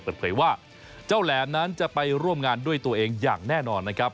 เปิดเผยว่าเจ้าแหลมนั้นจะไปร่วมงานด้วยตัวเองอย่างแน่นอนนะครับ